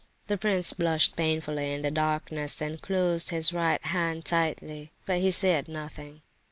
The prince blushed painfully in the darkness, and closed his right hand tightly, but he said nothing.